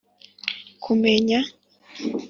Kumenya